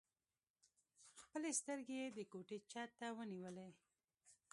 خپلې سترګې يې د کوټې چت ته ونيولې.